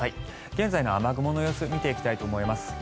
現在の雨雲の様子見ていきたいと思います。